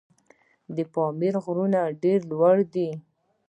د پامیر غرونه ډېر لوړ دي.